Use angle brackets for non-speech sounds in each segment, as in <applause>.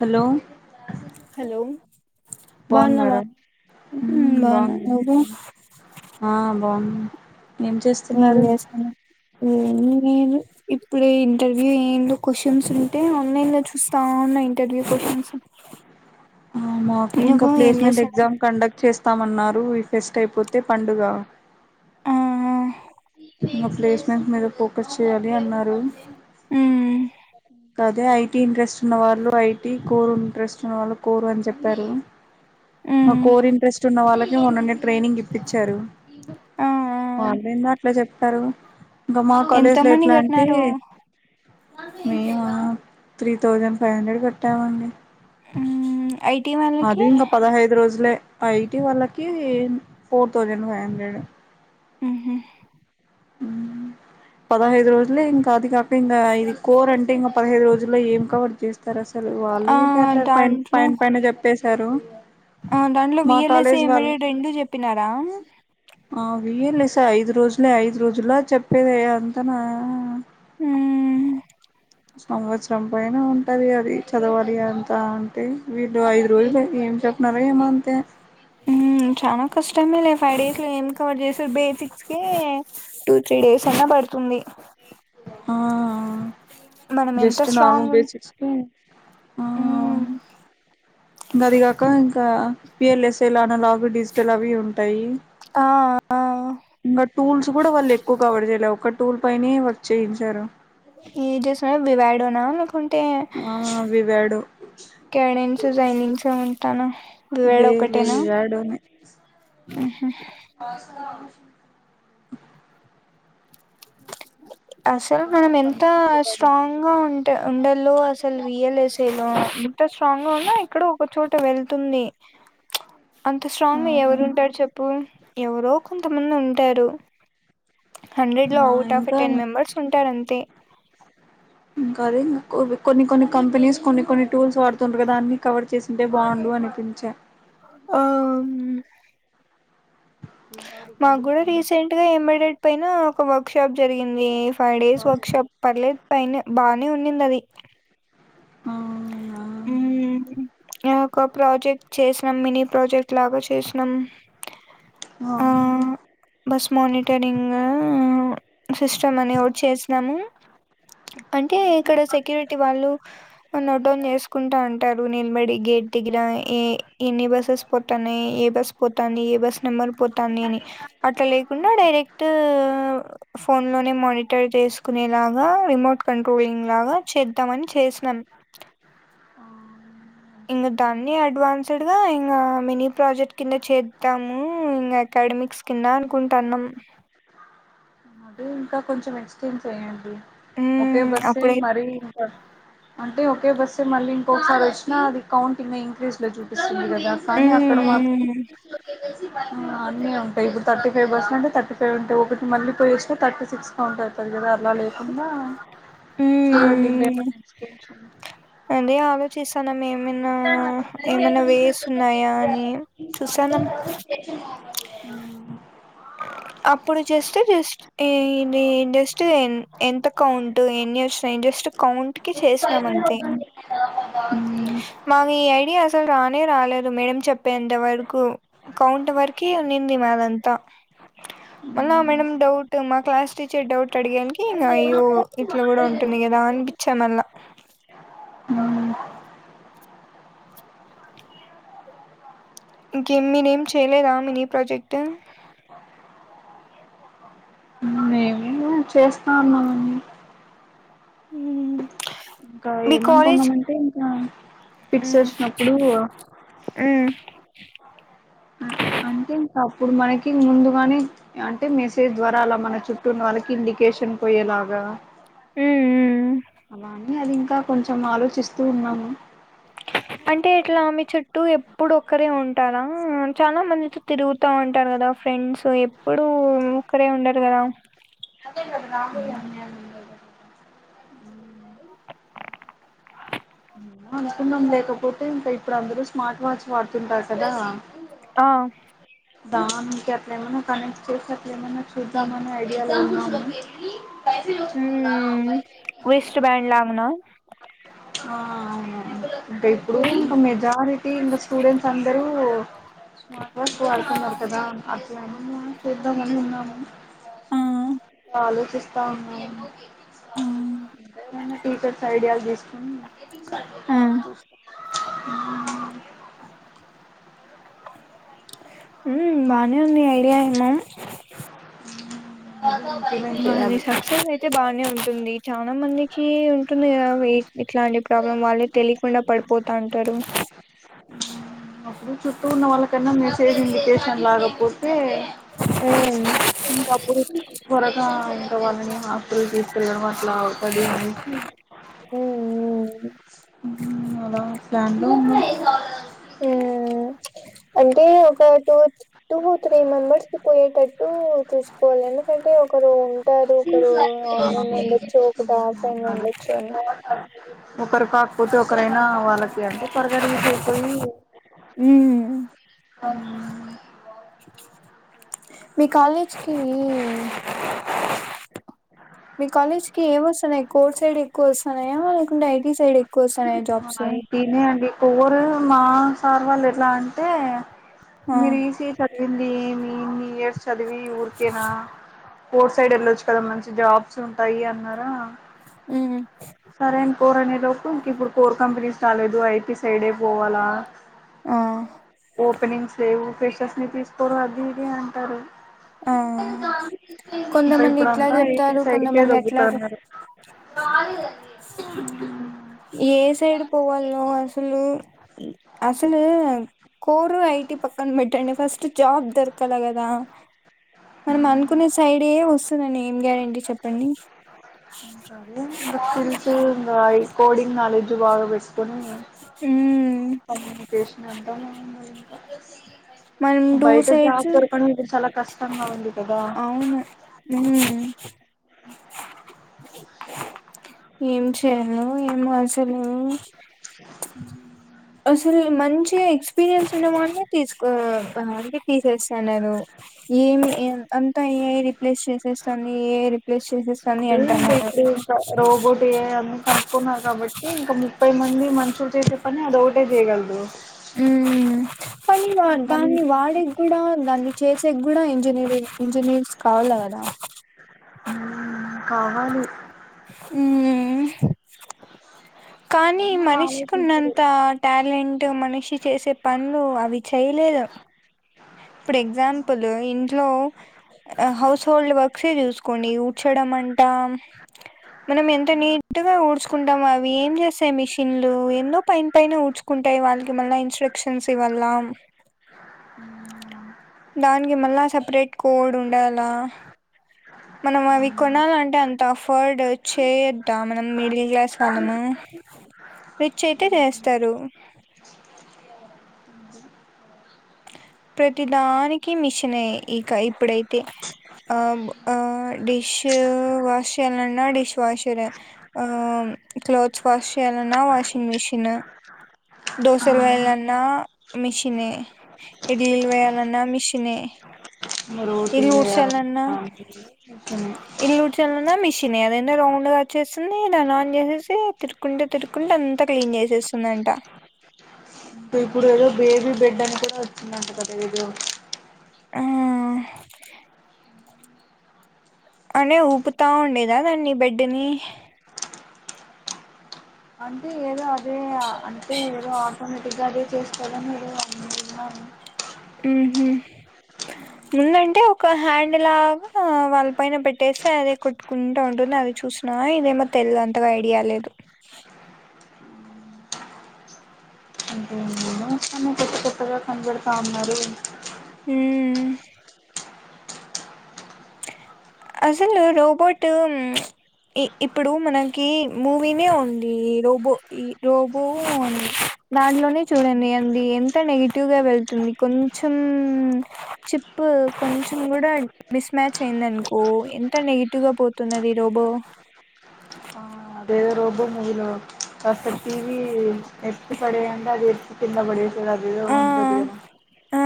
hello hello బాగున్నావా బాగున్నారా ఉమ్ బాగున్నా నువ్వు ఉమ్ ఏం చేస్తున్నారు ఏమి లేదు ఇప్పుడు ఇంటర్వ్యూ ఏందో క్వశ్చన్స్ ఉంటే ఆన్లైన్ లో చూస్తా ఉన్నా ఇంటర్వ్యూ క్వశ్చన్స్ మాకి ఇంకా నువ్వు ఏం ప్లేస్మెంట్ చేస్తున్నావ్ ఎగ్జామ్ కండక్ట్ చేస్త స్తామన్నారు ఈ ఫెస్ట్ అయిపోతే పండుగ ఆ అ ఇంకా ప్లేస్మెంట్స్ మీద ఫోకస్ చేయాలి అన్నారు హ్మ్ <inaudible> అదే ఐటీ ఇంట్రెస్ట్ ఉన్న వాళ్ళు ఐటీ కోరు ఇంట్రెస్ట్ ఉన్న వాళ్ళు కోరు అని చెప్పారు మా హ్మ్ కోర్ ఇంట్రెస్ట్ ఉన్న వాళ్ళకి మే ఉన్నగా ట్రైనింగ్ ఇప్పించారు ఆ ఆ ఆన్లైన్ చెప్పారు ఇంకా మా ఎంత కాలేజ్లో మంది ఎట్లా అంటే కట్టినారు మేము త్రీ థౌజండ్ ఫైవ్ హండ్రెడ్ కట్టామండి హ్మ్ ఐటీ అది వాళ్ళకి ఇంకా పదహైదు రోజులే ఆఐటి వాళ్ళకి ఫోర్ థౌజడ్ ఫైవ్ హ్రడ్ ఉహు పదహైదు రోజులే ఇంకా అది కాక ఇంగ ఇది కోర్ అంటే ఇంగ పదహైదు రోజుల్లో ఏం కవర్ చేస్తారు అస లు వాళ్ళు ఆ వుకే ఆట్ల దాంట్లో పైన పైన చెప్పేసి తరు ఆ దాంట్లో విఎల్ఎస్ ఐ ఎంబెడెడ్ రెండు చెప్పినారా వీ ఎల్ ఎస్ ఐ ఐదు రోజులే ఐదు రోజుల్లో చెప్పేది అంతనా ఉమ్ సంవత్సరం పైన ఉంటది అది చదవాలి అంత అంటే వీళ్ళు ఐదు రోజులు ఏం చెప్పినారో ఏమో అంతే ఉమ్ చన కష్టమ లే ఫైవ్ డేస్ లో ఏమి కవర్ చేసారు బేసిక్స్ కె టూ త్రీ డేస్ అయినా పడుతుంది ఆ మనం ఎంత జస్ట్ స్ట్రాంగ్ నార్మల్ ఉన్ బేసిక్స్ కె ఆ హ్మ్ అవును గది కాక ఇంకా విఎల్ఎస్ ఏలానాలా డిజిటల్ అవి ఉంటాయి ఆ ఆ ఇంగ టూల్స్ కూడా వాళ్ళు ఎక్కువ కవర్ చేయలే ఒక టూల్ పైనియే వర్క్ చేయించారు ఏది చేశారు వివైడోనా లే కుంటే ఆ వివాడో కాడెన్స్ జైలింక్స్ అంటనా లేదు లేదు వివాడో నే ఉహు <inaudible> అసలు మనం ఎంత స్ట్రాంగ్ గా ఉంటె ఉండల్లో అసలు విఎల్ఎస్ఏలో ఎంత స్ట్రాంగ్ గా ఉన్నా యి క్కడో ఒకచోట వెళ్తుంది అంత ఆ స్ట్రాంగ ఎవరు ఉంటరు చెప్పు ఎవరో కొంతమంది ఉంటారు హండ్రెడ్ లో ఆ అవుట్ ఆఫ్ ఇంకా టెన్ మెంబర్స్ ఉంటారు అంతే ఇంకా అదే మో కొన్ని కొన్ని కంపెనీస్ కొన్ని కొన్ని టూల్స్ వాడుతుంటరు కదా అన్ని కవర్ చేసుంటే బావుండు అనిపించ ఆ మ్ మాగ్గుడ రీసెంట్ గా ఎమ్మయిడెట్ పైనా ఒక వర్క్ షాప్ జరిగింది ఫైవ్ డేస్ వర్క్ షాప్ ఆ పర్లేద్ పైన్నె బానే ఉన్నింది అది హూ ఒక ప్రాజెక్ట్ చేసినం మినీ ప్రాజెక్ట్ లాగా చేసినం ఆ అవునా బస్ మానిటరింగా సిస్టమ్ అని ఓట్ చేసినాము అంటే ఇక్కడ సెక్యూరిటీ వాళ్ళు నాట్ డౌన్ చేసుకుంటా అంటారు నిల్బడి గేట్ దగ్గర ఏ ఎన్ని బస్సెస్ పోతన్నయ్ ఏ బస్ పోతంది ఏ బస్ నెంబర్ పోతన్నయ్ అని అట్లా లేకుండా డైరెక్ట్ ఫోన్ లోనే మానిటర్ చేసుకునేలాగా రిమోట్ కంట్రోలింగ్ లాగా చేద్దామని చేసినన్ ఇంగా ఆ దాన్ని అడ్వాన్స్డ్ గా ఇంకా మినీ ప్రాజెక్ట్ కింద చేద్దాము ఇంగా అకైడ్మిక్స్ కింద అనుకుంటన్నాం అదే ఇంకా కొంచెం ఎక్స్టెండ్ వేయండి ఓకే ఉమ్ బస్ అప్పుడే మరి ఇంత అంటే ఒకే బస్ మళ్ళీ ఇంకొసారి అచ్చినా అది కౌంటింగ్ ఇంక్రీజ్ లో చూపిస్తుంది క సాని ఉమ్ అక్కడ మాత్ అన్ని ఉంటయిప్పుడు థర్టీ ఫైవ్ బస్లు అంటే థర్టీ ఫైవ్ ఉంటాయి ఒకటి మళ్ళీ పోయస్తే థర్టీ సిక్స్ గా ఉంటాది త కదా అలా లేకున్నా ఉమ్ చూడండి ఉమ్ ఇంకేమన్నా ఎక్స్ నేమైనా ఏమైనా వేస్ ఉన్నాయా అని చూసానం అవును అప్పుడు చేస్తే జస్ట్ జస్ట్ ఎంత కౌంట్ ఎన్ని వచ్చినాయి జస్ట్ కౌంట్ కి చేసినాం అంతే హూ మాకు ఈ ఐడియా అసలు రానే రాలేదు మేడం చెప్పేంత వరకు కౌంట్ వరకే ఉన్నింది మాదంతా మ్మ్ మన మ్మ్ మేడం డౌట్ మా క్లాస్ టీచర్ డౌట్ అడిగాన్ అయ్యో ఇట్లా కూడా ఉంటుంది గదా అని చెమల మ్మ్ ఇంకేం మీనేం చేయలేదా మీనే ప్రాజెక్ట్ ేమ చేస్తా ఉన్నావీ ఇంకా మీ కాలేజ్ ఏమనుకున్నామంటే ఆ పిట్స ఉమ్ వస్ినప్పుడు ఉమ్ అంటే ఇంకా అప్పుడు మనకి ముందుగానే అంటే మెసేజ్ ద్వారా అలా మన చుట్టూ ఉన్న వాళ్ళకి ఇండికేషన్ పోయేలాగా ఉమ్ ఉమ్ అలా అ అది ఇంకా కొంచెం ఆలోచిస్తూ ఉన్నాము అంటే ఇట్లా ఆమె చుట్ట టూ ఎప్పుడు ఒక్కరే ఉంటారా చాలా మందితో తిరుగుతూ ఉంటారు కదా ఫ్రెండ్స్ ఎప్పుడూ ఒకరే ఉండరు కదా అదేద రాములు అ అనుకున్నాం లేకపోతే ఇంకా ఇప్పుడు అందరూ స్మార్ట్ వాచ్ వాడుతుంటారు కదా ఆ దానికి అట్ల ఏమై కనెక్ట్ చేసి అట్ల ఏమైన్నా చూద్దామని ఐడియాలో ఉన్నాము పైస చూసుకుందా మ్మ్ పైస వెస్ట్ బ్యాండ్ లాగనా ఆ అవును ఇంకా ఇప్పుడు ఇంకా మెజారిటీ ఇంకా స్టూడెంట్స్ అ జరువు మాకు వాళ్క మళ్కదా అట్లానే అద్దామ ఉన్నా ఆ ఆలోచిస్తా ఉన్నాను ఆ టీచర్స్ ఐడియాలు తీసుకుని ఆ ఆ హ బానే ఉంది ఐడియా ఏమో అ కాది సక్సెస్ అయితే బాగానే ఉంటుంది చాలా మంది ఉంటుంది కదా ఇట్లాంటి ప్రాబ్లం వాళ్ళే తెలియకుండా పడిపోతా ఉంటారు ఇ చుట్టూ ఉన్న వాళ్ళకన్నా మెసేజ్ ఇండికేషన్ లాగపో తే మ్మ్ అపుడు పొరా ఎ వాళ్ళని హాస్పిల్ తీసుకెళ్ళడం లావుత బినీ మ్మ్ మ్మ్ మలా ప్యాడులో అంటే ఒక టూ టూ త్రీ మెంబర్స్ పోయేటట్టు చూసుకోవాలి ఎందుకంటే ఒకరు ఉంటారు ఒకరు ఆన్లైన్ లో ఉండచ్చు ఒకటి ఆఫ్లైన్ లో ఉండొచ్చు అని క్కరు కాకపోతే ఒకరైనా వాళ్ళకి అంటే త్వరగా తీసయిపోయి మ్మ్ మీ కాలేజ్కిి మీ కాలేజ్ కి ఏం వస్తున్నాయి కోర్స్ఐడి ఎక్కువ వస్తున్నాయా లేకుంటే ఐటీ సైడ్ ఎక్కువ వస్తున్నాయా జాబ్స్ రు మా సార్ వాళ్ళు ఎలా అంటే ఆ మీరు ఈసీ చదివింది వన్ ఇయర్ చదివి ఊరికేనా పోట్ సైడ్ వెళ్ళొచ్చు కదా మంచి జాబ్స్ ఉంటాయి అన్నారా ఉ సరే అం కోరు అనే లో ఇంక ఇప్పుడు కోర్ కంపెనీస్ రాలేదు ఐటీ సైడే పోవాలా ఆ ఓపెనింగ్స్ ఎం ఫ స్ని తీసుకోరు అది ఇది అంటారు ఆ ఇంకా కొంతమంది ఇట్లా ఇప్పుడంతా ఐటీ చెప్తారు సైడ్కే కొంతమంది ఎట్లా చె ఉ ఏ సైడ్ పోవాలనో అసలు అసలు కోరు ఐటి పక్కన పెట్టండి ఫస్ట్ జాబ్ దొరకాల కదా మనం అనుకునే సైడే వస్తుందని ఏం గ్యారంటీ చెప్పండి ఇంకా అదే ఇంకా స్కిల్స్ ఇంకా ఈ కోడింగ్ క్నోలెడ్జ్ బాగా <unintelligible> ఉం కమ్యూనికేషన్ <unintelligible> <unintelligible> మనం టు బయట జాబ్ సైడ్స్ దొరకడం ఇప్పుడు చాలా కష్టంగా ఉంది కదా అవును ఏం చేయను ఏమో అసలు హ మంచి ఎక్స్పీీరియన్స్ ఉన్న వల్లనే తీస్ <unintelligible> తీసేసా నేను ఏమి అంత <unintelligible> రిప్లేస్ చేసే అదే అండి అంటున్నారు ఇప్పుడు ఇంకా రోబోట్ ఏఐ కనుక్కున్నారు కాబట్టి ఇంకా ముప్పై మంది మనుషులు చేసే పని అదే <unintelligible> చేయగలదు ఉం <unintelligible> మరి దాన్ని వాడేకి కూడా దాన్ని చేసే కూడా ఇంజ <unintelligible> ఇంజనీర్స్ కావాల కదా కావాలి ఉమ్ కానీ వాళ్ళు మనిషికి ఉన్నంత ఆలోచించరు టాలెంట్ మనిషి చేసే పనులు అవి చేయలేదు ఇప్పుడు ఎగ్జాంపుల్ ఇంట్లో హౌస్ హోల్డ్ వర్క్సే చూసుకోండి కూచడం అంట మనం ఎంత నీట్గా ఊడ్చుకుంటాం అవి ఏం చేస్తాయి మిషన్లు ఏందో పైన పైన ఊడ్చుకుంటాయి వాళ్ళకి మళ్ళ ఇన్స్ట్రక్షన్స్ ఇవళ దానికి మల్ల సపరేట్ కోడ్ ఉండాల మనం అవి కొనాలంటే అంత అఫోర్డ్ చేయొద్దా మనం మిడిల్ క్లాస్ వాళ్ళము రిచ్ అయితే చేస్తారు ప్రతి దానికి మిషన్ ఇక ఇప్పుడైతే ఆ ఆ డిష్ వాష్ చేయాలన్నా డిష్ వాషర్ ఆ క్లోత్స్ వాష్ చేయాలన్నా వాషింగ్ మిషిన్ దోసలు వేయాలన మిషనే ఇడిల్ వెయాలన్నా మిషినే ఇల్లు రోటీలు వేలన ఊడ్చాలన్నా <unintelligible> ఇల్లు ఉడచలన మిషనే అదే <unintelligible> రౌండ్గా వచ్చేస్తుంది దన్ని ఆన్ చేసేసి తిరుకుంటే తిరుకుంటే అంతా క్లీన్ చేసేస్తుంది అంట ఇప్పుడు ఏదో బేబీ బెడ్ అని కూడా వచ్చింది అంట కదా ఏదో ఆ అనే ఊపుతా ఉండేదా దాన్ని బెడ్డని అంటే ఏదో అదే అంటే ఏదో ఆటో ఇగాడ చేకోడం మీరు అనుున్నాను ఉ ముందంటే ఒక హ్యాండ్లాగా వాళ్ళ పైన పెట్టేసి అదే కొట్టుకుంటా ఉంటుంది అది చూసినా ఇదేమో తెలిదు అంతగా ఐడియా లేదు కడ తబన్నారు హ అసలు రోబోట్ ఇప్పుడు మనకి మూవీనే ఉంది రోబో ఈ రోబోంది దాంట్లోనే చూడండి అది ఎంత నెగిటివ్గా వెళ్తుంది కొంచెం చిప్ కొంచెం కూడా మిస్ మ్యాచ్ అయిందనుకో ఎంత నెగిటివ్ గా పోతున్నది రోబో ఆ అదేదో రోబో మూవీలో అసలు టీవీ ఎత్చ్చ పడేయం అది ఎ కింద పడే తదిద వది ఆ ఆ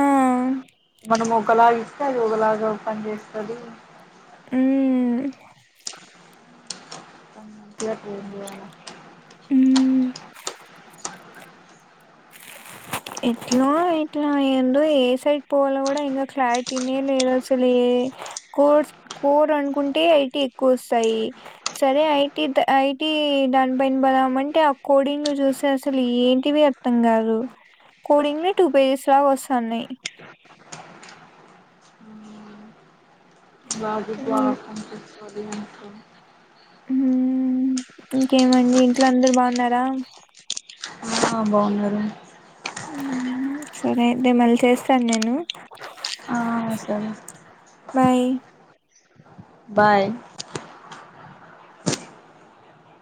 మనం ఒకలాగ ఇస్తే అది ఒకలాగాఓ పని చేస్తుంది అ ంది ఉ ఎట్లా ఎట్లా అయందో ఏ సైడ్ పోవాలో కూడా ఇంకా క్లారిటీనే లేదు అసలు ఏ కోడ్ కోడ్ అనుకుంటే ఐటీ ఎక్కువ వస్తాయి సరే ఐటీ ఐటీ దానిపైన బదం అంటే ఆ కోడింగ్లు చూస్తే అసలు ఏంటివి అర్థం కాదు కోంగ్ టూపేజస రా వసా నయి బాగాీ బ ఉమ్, స్భతో ఇంకేమండి ఇంట్లో అందరు బాగున్నారా బాగున్నారు సరే అయితే మళ్ళీ చేస్తాను నేను ఆ వస్త బాయ్ బాయ్